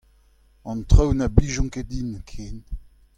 An traoù na blijont ket din ken.